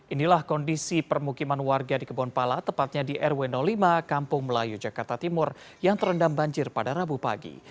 inilah kondisi permukiman warga di kebonpala tepatnya di rw lima kampung melayu jakarta timur yang terendam banjir pada rabu pagi